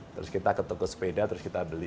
terus kita ketuk ketuk sepeda terus kita beli